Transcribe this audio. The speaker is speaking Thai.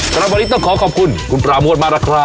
สำหรับวันนี้ต้องขอขอบคุณคุณปราโมทมากนะครับ